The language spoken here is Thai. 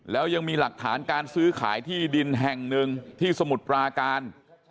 แล้วยังมีหลักฐานการซื้อขายที่ดินแห่งหนึ่งที่สมุทรปราการ